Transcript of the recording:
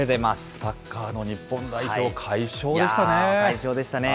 サッカーの日本代表、快勝で快勝でしたね。